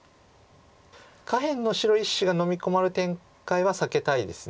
下辺の白１子がのみ込まれる展開は避けたいです。